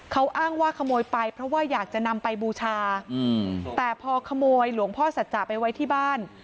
เขาอ้างว่าขโมยไปเพราะว่าอยากจะนำไปบูชาแต่พอขโมยหลวงพ่อสัจจะไปไว้ที่บ้าน